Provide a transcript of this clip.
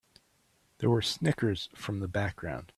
There were snickers from the background.